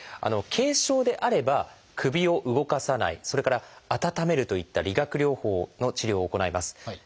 軽症であれば首を動かさないそれから温めるといった理学療法の治療を行います。